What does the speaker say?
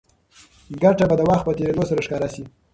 ګټه به د وخت په تېرېدو سره ښکاره شي.